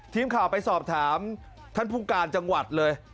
ทีมข่าวไปสอบถามท่านผู้การจังหวัดเลย